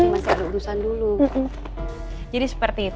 biar saya makin merakit